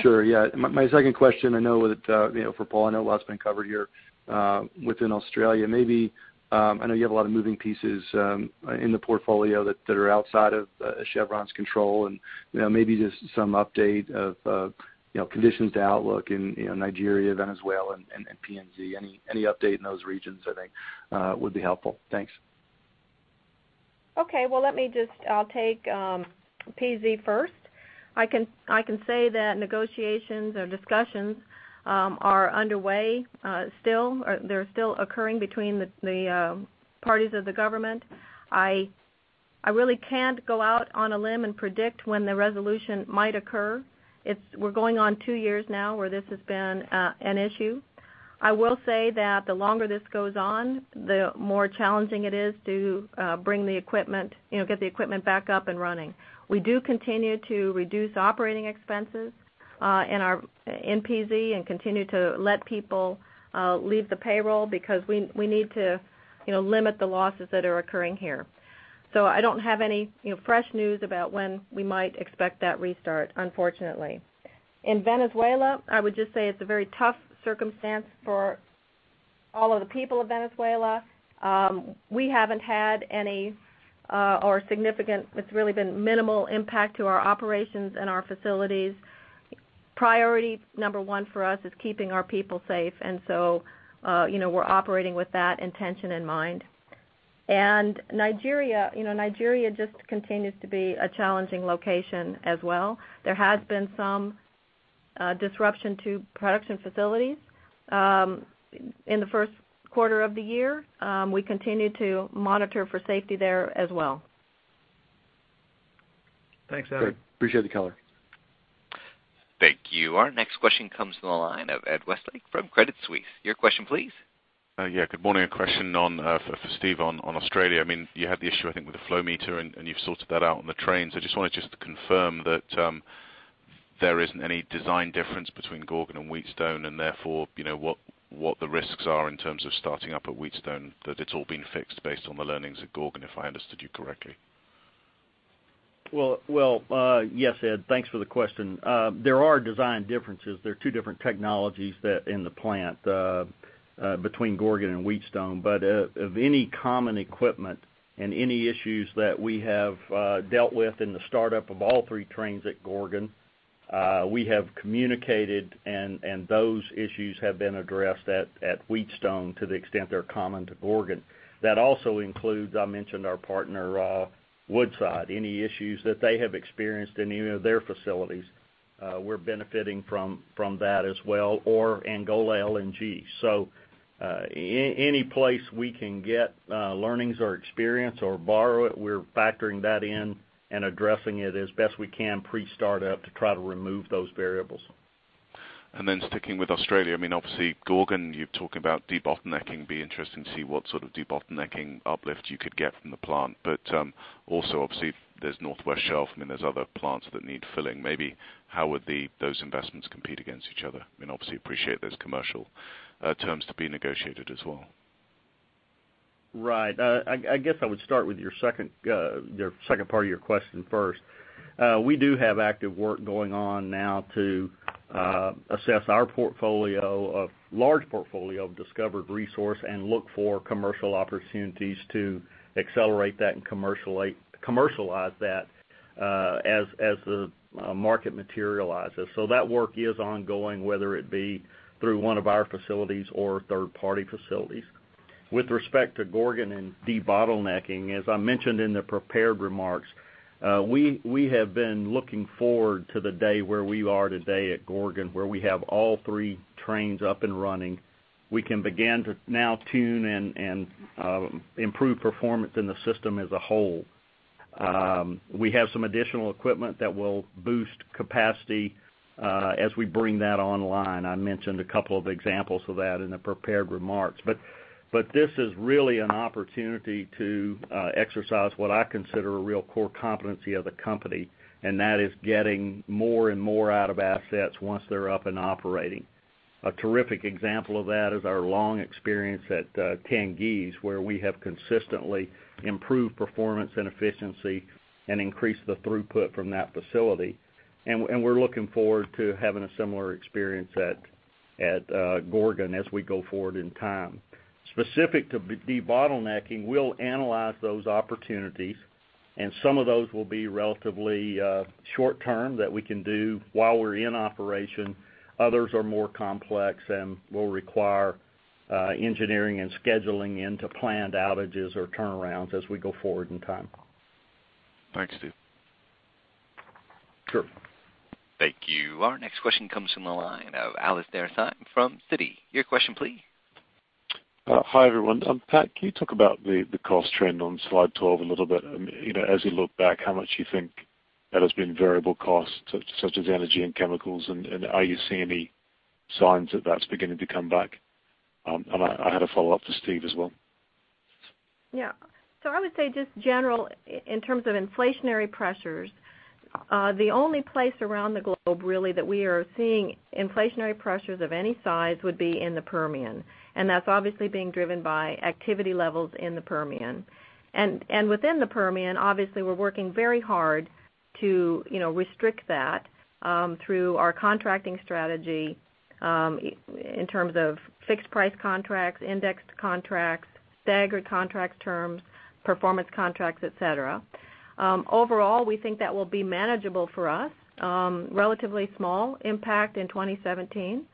Sure, yeah. My second question, I know that for Paul, I know a lot's been covered here within Australia. I know you have a lot of moving pieces in the portfolio that are outside of Chevron's control, and maybe just some update of conditions to outlook in Nigeria, Venezuela, and PNG. Any update in those regions, I think, would be helpful. Thanks. Okay. Well, let me just take PNG first. I can say that negotiations or discussions are underway still, or they're still occurring between the parties of the government. I really can't go out on a limb and predict when the resolution might occur. We're going on two years now where this has been an issue. I will say that the longer this goes on, the more challenging it is to get the equipment back up and running. We do continue to reduce operating expenses in PNG and continue to let people leave the payroll because we need to limit the losses that are occurring here. I don't have any fresh news about when we might expect that restart, unfortunately. In Venezuela, I would just say it's a very tough circumstance for all of the people of Venezuela. We haven't had any, or significant, it's really been minimal impact to our operations and our facilities. Priority number one for us is keeping our people safe. We're operating with that intention in mind. Nigeria just continues to be a challenging location as well. There has been some disruption to production facilities in the first quarter of the year. We continue to monitor for safety there as well. Thanks, Evan. Great. Appreciate the color. Thank you. Our next question comes from the line of Edward Westlake from Credit Suisse. Your question, please. Good morning. A question for Steve on Australia. You had the issue, I think, with the flow meter, and you've sorted that out on the trains. I just wanted to confirm that there isn't any design difference between Gorgon and Wheatstone and therefore, what the risks are in terms of starting up at Wheatstone, that it's all been fixed based on the learnings at Gorgon, if I understood you correctly. Well, yes, Ed. Thanks for the question. There are design differences. There are two different technologies in the plant between Gorgon and Wheatstone. Of any common equipment and any issues that we have dealt with in the startup of all three trains at Gorgon, we have communicated, and those issues have been addressed at Wheatstone to the extent they're common to Gorgon. That also includes, I mentioned our partner, Woodside. Any issues that they have experienced in any of their facilities, we're benefiting from that as well, or Angola LNG. Any place we can get learnings or experience or borrow it, we're factoring that in and addressing it as best we can pre-startup to try to remove those variables. Sticking with Australia, obviously Gorgon, you're talking about debottlenecking. Be interesting to see what sort of debottlenecking uplift you could get from the plant. Also obviously there's Northwest Shelf, there's other plants that need filling. Maybe how would those investments compete against each other? Obviously appreciate there's commercial terms to be negotiated as well. Right. I guess I would start with your second part of your question first. We do have active work going on now to assess our large portfolio of discovered resource and look for commercial opportunities to accelerate that and commercialize that as the market materializes. That work is ongoing, whether it be through one of our facilities or third-party facilities. With respect to Gorgon and debottlenecking, as I mentioned in the prepared remarks, we have been looking forward to the day where we are today at Gorgon, where we have all three trains up and running. We can begin to now tune and improve performance in the system as a whole. We have some additional equipment that will boost capacity as we bring that online. I mentioned a couple of examples of that in the prepared remarks. This is really an opportunity to exercise what I consider a real core competency of the company, and that is getting more and more out of assets once they're up and operating. A terrific example of that is our long experience at Tengiz, where we have consistently improved performance and efficiency and increased the throughput from that facility. We're looking forward to having a similar experience at Gorgon as we go forward in time. Specific to de-bottlenecking, we'll analyze those opportunities, some of those will be relatively short-term that we can do while we're in operation. Others are more complex and will require engineering and scheduling into planned outages or turnarounds as we go forward in time. Thanks, Steve. Sure. Thank you. Our next question comes from the line of Alastair Syme from Citi. Your question please. Hi, everyone. Pat, can you talk about the cost trend on slide 12 a little bit? As you look back, how much do you think that has been variable costs, such as energy and chemicals, and are you seeing any signs that that's beginning to come back? I had a follow-up for Steve as well. I would say just general, in terms of inflationary pressures, the only place around the globe, really, that we are seeing inflationary pressures of any size would be in the Permian, that's obviously being driven by activity levels in the Permian. Within the Permian, obviously, we're working very hard to restrict that through our contracting strategy in terms of fixed price contracts, indexed contracts, staggered contract terms, performance contracts, et cetera. Overall, we think that will be manageable for us, relatively small impact in 2017.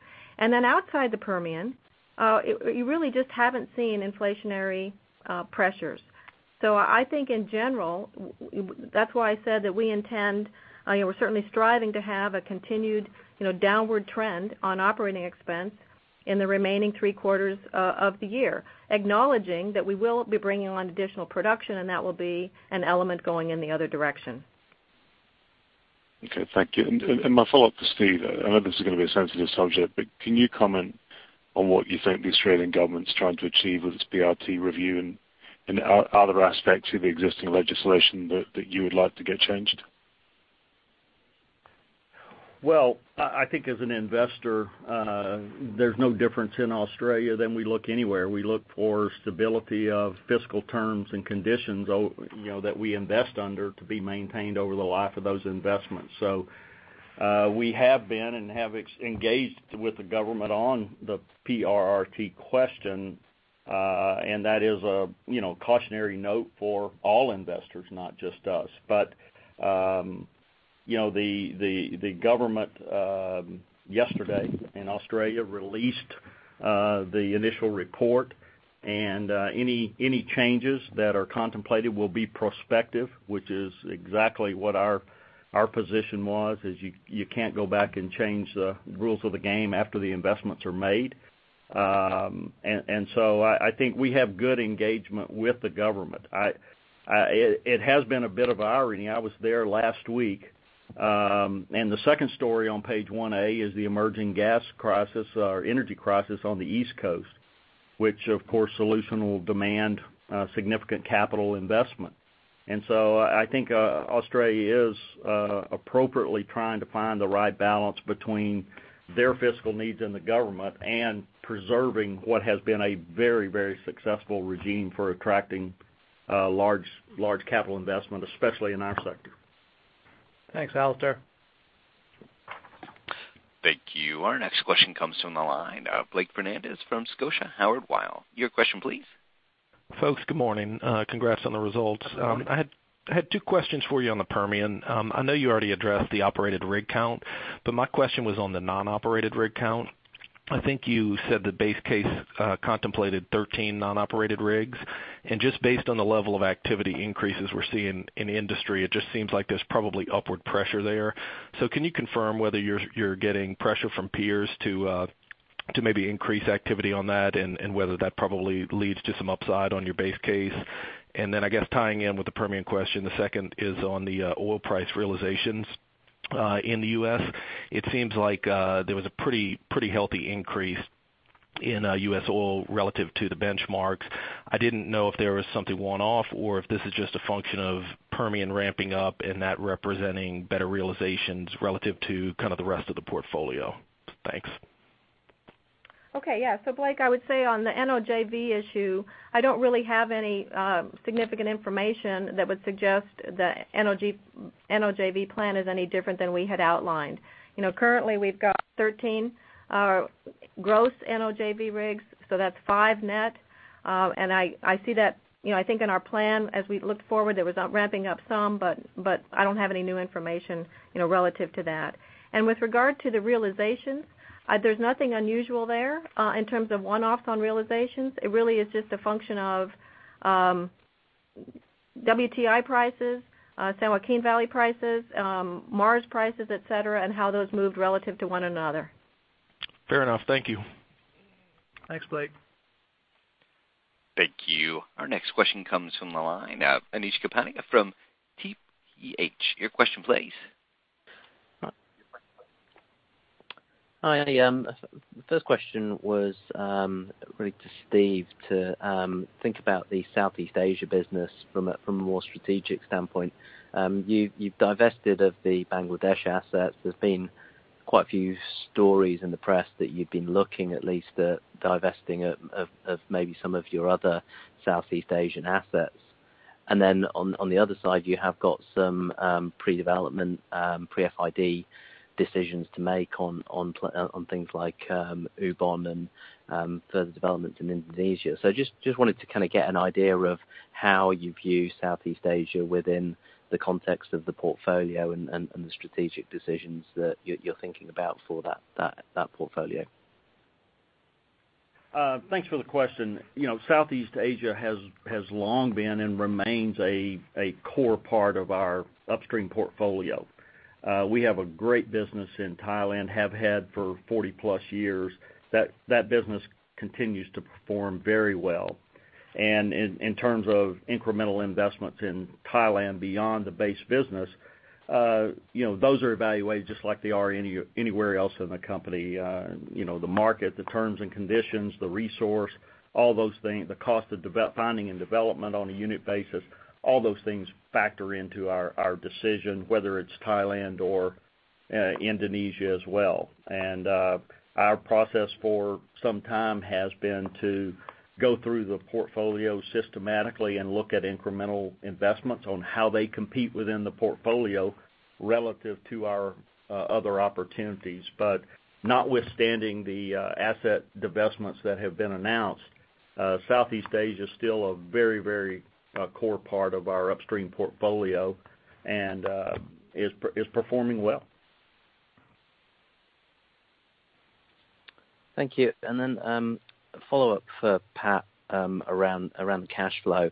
Outside the Permian, you really just haven't seen inflationary pressures. I think in general, that's why I said that we're certainly striving to have a continued downward trend on operating expense in the remaining three quarters of the year, acknowledging that we will be bringing on additional production, and that will be an element going in the other direction. Okay, thank you. My follow-up for Steve, I know this is going to be a sensitive subject, but can you comment on what you think the Australian government's trying to achieve with its PRRT review and other aspects of the existing legislation that you would like to get changed? I think as an investor, there's no difference in Australia than we look anywhere. We look for stability of fiscal terms and conditions that we invest under to be maintained over the life of those investments. We have been and have engaged with the government on the PRRT question. That is a cautionary note for all investors, not just us. The government yesterday in Australia released the initial report, and any changes that are contemplated will be prospective, which is exactly what our position was, is you can't go back and change the rules of the game after the investments are made. I think we have good engagement with the government. It has been a bit of irony. I was there last week. The second story on page 1A is the emerging gas crisis or energy crisis on the East Coast, which, of course, solution will demand significant capital investment. I think Australia is appropriately trying to find the right balance between their fiscal needs in the government and preserving what has been a very successful regime for attracting large capital investment, especially in our sector. Thanks, Alastair. Thank you. Our next question comes from the line of Blake Fernandez from Scotia Howard Weil. Your question, please. Folks, good morning. Congrats on the results. Good morning. I had two questions for you on the Permian. My question was on the non-operated rig count. I think you said the base case contemplated 13 non-operated rigs. Just based on the level of activity increases we're seeing in the industry, it just seems like there's probably upward pressure there. Can you confirm whether you're getting pressure from peers to maybe increase activity on that, and whether that probably leads to some upside on your base case? I guess tying in with the Permian question, the second is on the oil price realizations in the U.S. It seems like there was a pretty healthy increase in U.S. oil relative to the benchmarks. I didn't know if there was something one-off or if this is just a function of Permian ramping up and that representing better realizations relative to kind of the rest of the portfolio. Thanks. Okay. Yeah. Blake, I would say on the NOJV issue, I don't really have any significant information that would suggest the NOJV plan is any different than we had outlined. Currently, we've got 13 gross NOJV rigs, so that's 5 net. I think in our plan as we looked forward, it was ramping up some, but I don't have any new information relative to that. With regard to the realizations, there's nothing unusual there in terms of one-offs on realizations. It really is just a function of WTI prices, San Joaquin Valley prices, Mars prices, et cetera, and how those moved relative to one another. Fair enough. Thank you. Thanks, Blake. Thank you. Our next question comes from the line of Anish Kapadia from TPH. Your question please. Hi. The first question was really to Steve to think about the Southeast Asia business from a more strategic standpoint. You've divested of the Bangladesh assets. There's been quite a few stories in the press that you've been looking at least at divesting of maybe some of your other Southeast Asian assets. On the other side, you have got some pre-development, pre-FID decisions to make on things like Ubon and further developments in Indonesia. Just wanted to get an idea of how you view Southeast Asia within the context of the portfolio and the strategic decisions that you're thinking about for that portfolio. Thanks for the question. Southeast Asia has long been and remains a core part of our upstream portfolio. We have a great business in Thailand, have had for 40-plus years. That business continues to perform very well. In terms of incremental investments in Thailand beyond the base business, those are evaluated just like they are anywhere else in the company. The market, the terms and conditions, the resource, all those things, the cost of finding and development on a unit basis, all those things factor into our decision, whether it's Thailand or Indonesia as well. Our process for some time has been to go through the portfolio systematically and look at incremental investments on how they compete within the portfolio relative to our other opportunities. Notwithstanding the asset divestments that have been announced, Southeast Asia is still a very core part of our upstream portfolio and is performing well. Thank you. Then a follow-up for Pat around the cash flow.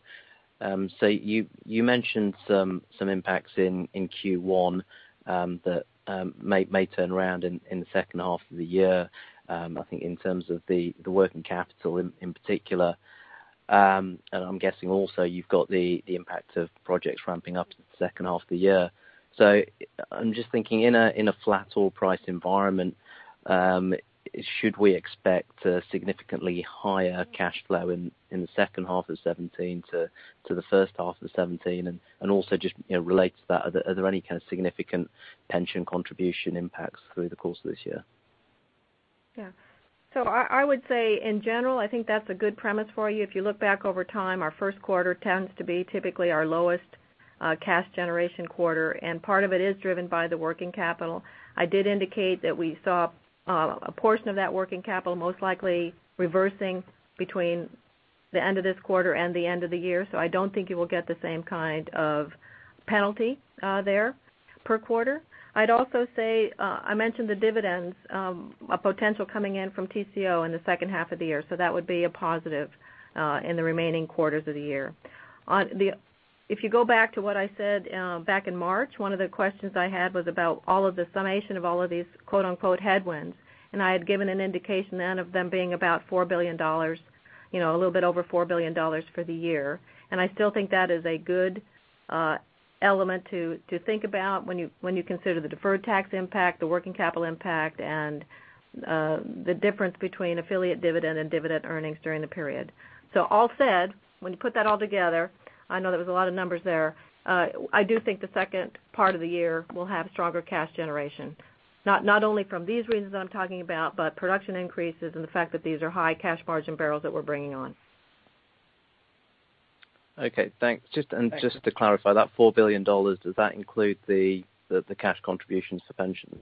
You mentioned some impacts in Q1 that may turn around in the second half of the year, I think in terms of the working capital in particular. I'm guessing also you've got the impact of projects ramping up in the second half of the year. I'm just thinking in a flat oil price environment, should we expect a significantly higher cash flow in the second half of 2017 to the first half of 2017? Also just related to that, are there any kind of significant pension contribution impacts through the course of this year? Yeah. I would say in general, I think that's a good premise for you. If you look back over time, our first quarter tends to be typically our lowest cash generation quarter, and part of it is driven by the working capital. I did indicate that we saw a portion of that working capital most likely reversing between the end of this quarter and the end of the year. I don't think you will get the same kind of penalty there per quarter. I'd also say I mentioned the dividends, a potential coming in from Tengizchevroil in the second half of the year. That would be a positive in the remaining quarters of the year. If you go back to what I said back in March, one of the questions I had was about all of the summation of all of these "headwinds." I had given an indication then of them being about $4 billion, a little bit over $4 billion for the year. I still think that is a good element to think about when you consider the deferred tax impact, the working capital impact, and the difference between affiliate dividend and dividend earnings during the period. All said, when you put that all together, I know there was a lot of numbers there, I do think the second part of the year will have stronger cash generation, not only from these reasons I'm talking about, but production increases and the fact that these are high cash margin barrels that we're bringing on. Okay, thanks. Just to clarify that $4 billion, does that include the cash contributions to pensions?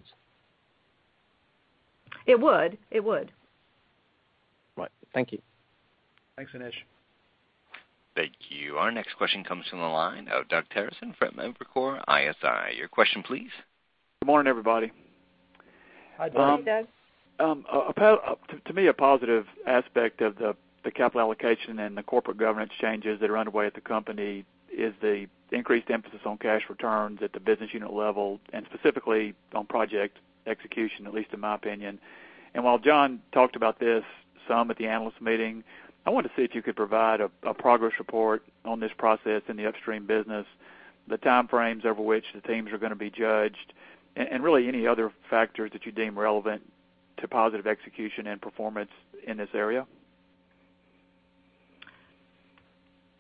It would. Right. Thank you. Thanks, Anish. Thank you. Our next question comes from the line of Doug Terreson from Evercore ISI. Your question, please. Good morning, everybody. Hi, Doug. Good morning, Doug. To me, a positive aspect of the capital allocation and the corporate governance changes that are underway at the company is the increased emphasis on cash returns at the business unit level, and specifically on project execution, at least in my opinion. While John talked about this some at the analyst meeting, I wanted to see if you could provide a progress report on this process in the upstream business, the time frames over which the teams are going to be judged, and really any other factors that you deem relevant to positive execution and performance in this area.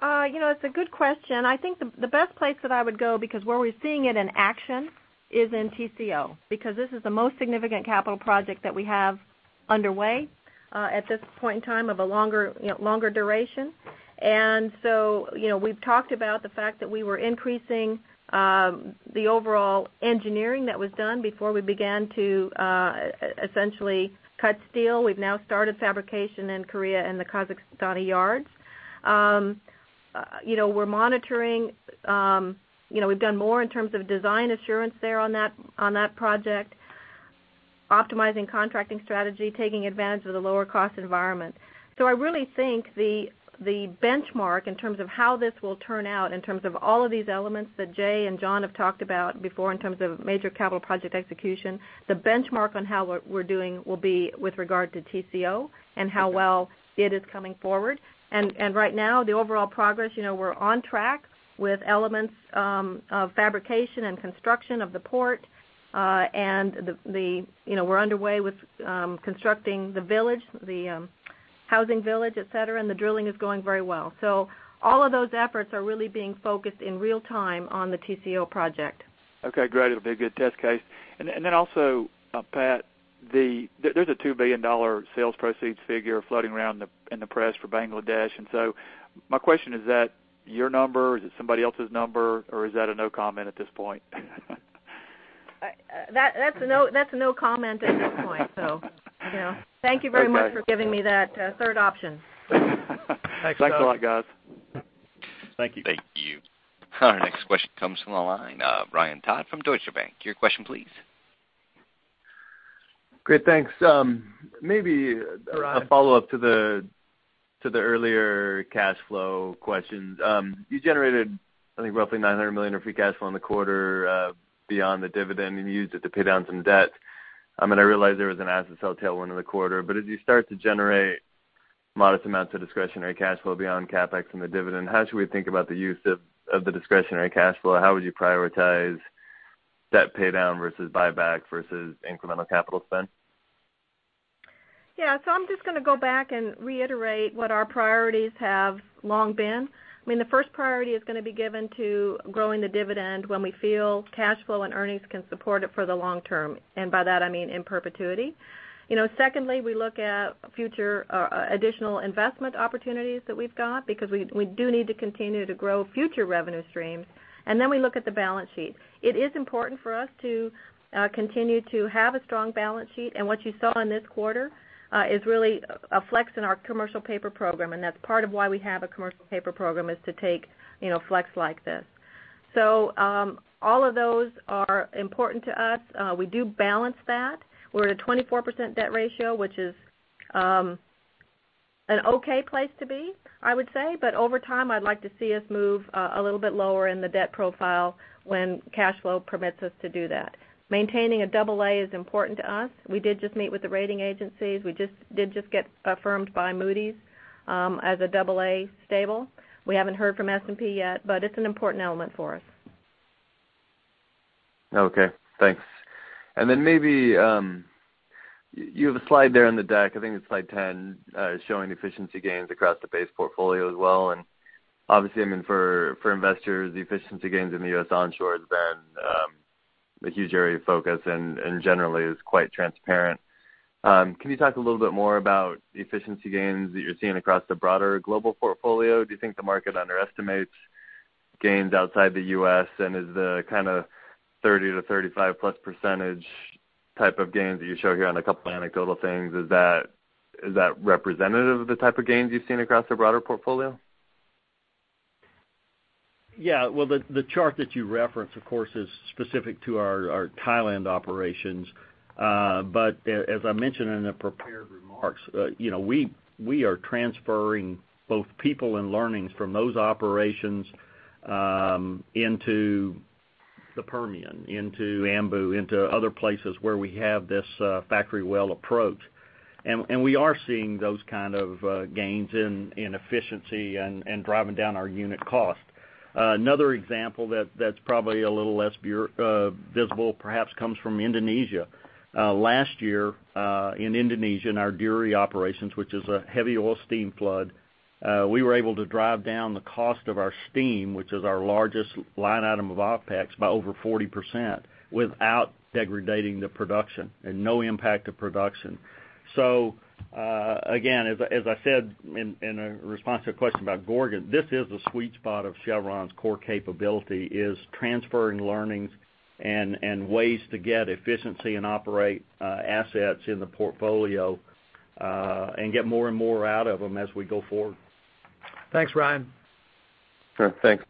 It's a good question. I think the best place that I would go, because where we're seeing it in action is in TCO, because this is the most significant capital project that we have underway at this point in time of a longer duration. We've talked about the fact that we were increasing the overall engineering that was done before we began to essentially cut steel. We've now started fabrication in Korea and the Kazakhstani yards. We're monitoring. We've done more in terms of design assurance there on that project, optimizing contracting strategy, taking advantage of the lower cost environment. I really think the benchmark in terms of how this will turn out in terms of all of these elements that Jay and John have talked about before in terms of major capital project execution, the benchmark on how we're doing will be with regard to TCO and how well it is coming forward. Right now, the overall progress, we're on track with elements of fabrication and construction of the port. We're underway with constructing the village, the housing village, et cetera, and the drilling is going very well. All of those efforts are really being focused in real time on the TCO project. Okay, great. It'll be a good test case. Also, Pat, there's a $2 billion sales proceeds figure floating around in the press for Bangladesh. My question, is that your number? Is it somebody else's number? Or is that a no comment at this point? That's a no comment at this point. Thank you very much for giving me that third option. Thanks a lot, guys. Thanks. Thank you. Thank you. Our next question comes from the line of Ryan Todd from Deutsche Bank. Your question please. Great, thanks. Maybe a follow-up to the earlier cash flow question. You generated, I think roughly $900 million of free cash flow in the quarter beyond the dividend and used it to pay down some debt. I realize there was an asset sale tailwind in the quarter, but as you start to generate modest amounts of discretionary cash flow beyond CapEx and the dividend, how should we think about the use of the discretionary cash flow? How would you prioritize debt paydown versus buyback versus incremental capital spend? Yeah. I'm just going to go back and reiterate what our priorities have long been. The first priority is going to be given to growing the dividend when we feel cash flow and earnings can support it for the long term. By that I mean in perpetuity. Secondly, we look at future additional investment opportunities that we've got because we do need to continue to grow future revenue streams. Then we look at the balance sheet. It is important for us to continue to have a strong balance sheet. What you saw in this quarter is really a flex in our commercial paper program. That's part of why we have a commercial paper program is to take flex like this. All of those are important to us. We do balance that. We're at a 24% debt ratio, which is an okay place to be, I would say. Over time, I'd like to see us move a little bit lower in the debt profile when cash flow permits us to do that. Maintaining an AA is important to us. We did just meet with the rating agencies. We did just get affirmed by Moody's as an AA stable. We haven't heard from S&P yet, it's an important element for us. Okay, thanks. Then maybe you have a slide there in the deck, I think it's slide 10, showing efficiency gains across the base portfolio as well. Obviously for investors, the efficiency gains in the U.S. onshore has been a huge area of focus and generally is quite transparent. Can you talk a little bit more about the efficiency gains that you're seeing across the broader global portfolio? Do you think the market underestimates gains outside the U.S. and is the kind of 30%-35% plus type of gains that you show here on a couple anecdotal things, is that representative of the type of gains you've seen across the broader portfolio? The chart that you reference, of course, is specific to our Thailand operations. As I mentioned in the prepared remarks, we are transferring both people and learnings from those operations into the Permian, into Anadarko, into other places where we have this factory well approach. We are seeing those kind of gains in efficiency and driving down our unit cost. Another example that's probably a little less visible perhaps comes from Indonesia. Last year in Indonesia in our Duri operations, which is a heavy oil steam flood, we were able to drive down the cost of our steam, which is our largest line item of OpEx, by over 40% without degrading the production and no impact to production. Again, as I said in a response to a question about Gorgon, this is the sweet spot of Chevron's core capability is transferring learnings and ways to get efficiency and operate assets in the portfolio, and get more and more out of them as we go forward. Thanks, Ryan. Sure. Thanks.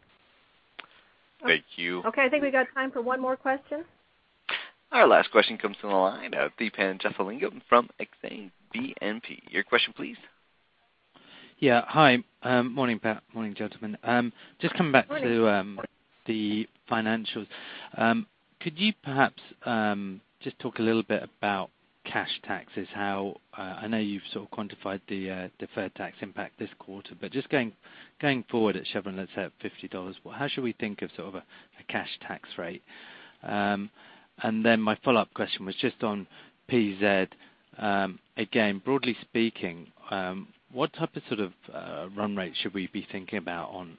Thank you. Okay, I think we got time for one more question. Our last question comes from the line of Deepan Jeyalingam from Exane BNP. Your question, please. Yeah. Hi. Morning, Pat. Morning, gentlemen. Just coming back to the financials, could you perhaps just talk a little bit about cash taxes? I know you've sort of quantified the deferred tax impact this quarter, but just going forward at Chevron, let's say at $50, how should we think of sort of a cash tax rate? And then my follow-up question was just on PZ. Again, broadly speaking, what type of run rate should we be thinking about on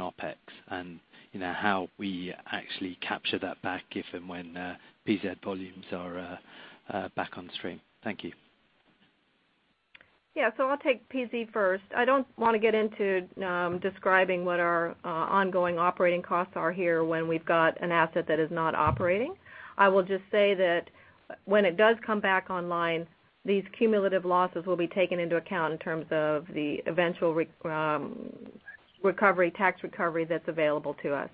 OpEx and how we actually capture that back if and when PZ volumes are back on stream? Thank you. Yeah. I'll take PZ first. I don't want to get into describing what our ongoing operating costs are here when we've got an asset that is not operating. I will just say that when it does come back online, these cumulative losses will be taken into account in terms of the eventual tax recovery that's available to us.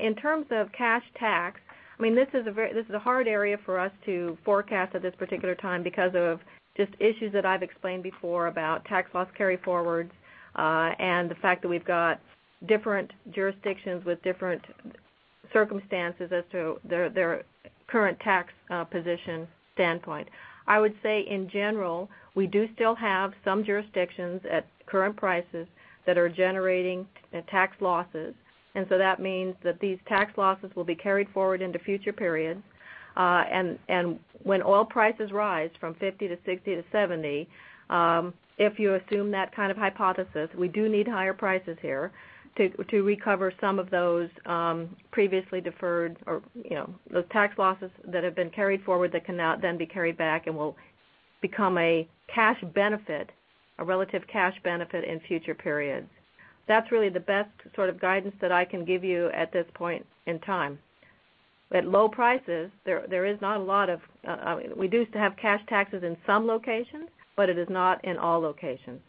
In terms of cash tax, this is a hard area for us to forecast at this particular time because of just issues that I've explained before about tax loss carry-forwards, and the fact that we've got different jurisdictions with different circumstances as to their current tax position standpoint. I would say in general, we do still have some jurisdictions at current prices that are generating tax losses. That means that these tax losses will be carried forward into future periods. When oil prices rise from $50 to $60 to $70, if you assume that kind of hypothesis, we do need higher prices here to recover some of those previously deferred or those tax losses that have been carried forward that can now then be carried back and will become a cash benefit, a relative cash benefit in future periods. That's really the best sort of guidance that I can give you at this point in time. At low prices, we do have cash taxes in some locations, but it is not in all locations.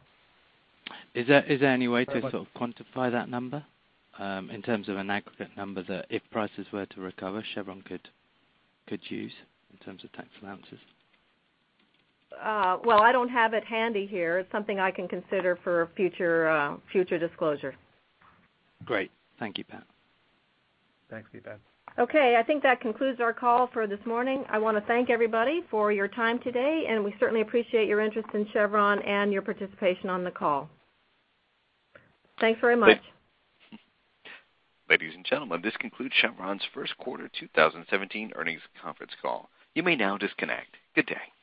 Is there any way to sort of quantify that number in terms of an aggregate number that if prices were to recover, Chevron could use in terms of tax allowances? I don't have it handy here. It's something I can consider for future disclosure. Great. Thank you, Pat. Thanks, Pat. Okay. I think that concludes our call for this morning. I want to thank everybody for your time today, and we certainly appreciate your interest in Chevron and your participation on the call. Thanks very much. Ladies and gentlemen, this concludes Chevron's first quarter 2017 earnings conference call. You may now disconnect. Good day.